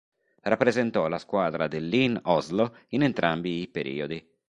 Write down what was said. Rappresentò la squadra del Lyn Oslo in entrambi i periodi.